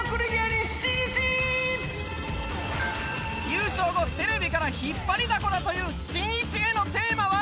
優勝後テレビから引っ張りだこだというしんいちへのテーマは？